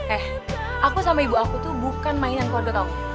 eh aku sama ibu aku tuh bukan mainan kode aku